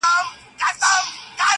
خلک خبرونه په موبایل ګوري